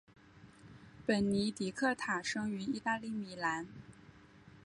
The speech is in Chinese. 本尼迪克塔生于意大利米兰。